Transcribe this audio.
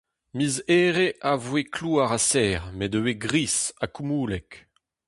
Miz Here a voe klouar ha sec'h met ivez gris ha koumoulek.